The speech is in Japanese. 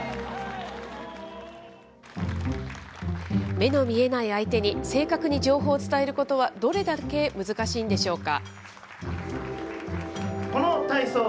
目の見えない相手に、正確に情報を伝えることは、どれだけ難しいんでしょうか。